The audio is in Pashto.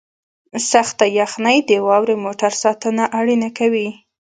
سخته یخنۍ د واورې موټر ساتنه اړینه کوي